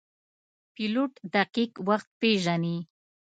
پیلوټ دقیق وخت پیژني.